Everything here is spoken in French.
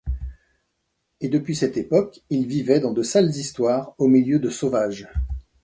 Et, depuis cette époque, il vivait dans de sales histoires, au milieu de sauvages.